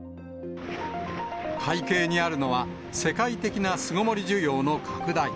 背景にあるのは、世界的な巣ごもり需要の拡大。